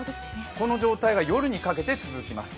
この状態が夜にかけて続きます。